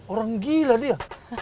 orang gila dia